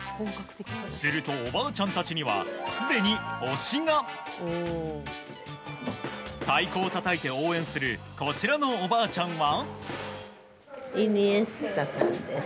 すると、おばあちゃんたちにはすでに推しが。太鼓をたたいて応援するこちらのおばあちゃんは。